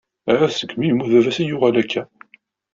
Ahat segmi i yemmut baba-s i yuɣal akka.